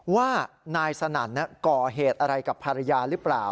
ว่านายสนั่นก่อเหตุอะไรกับภรรยาหรือเปล่า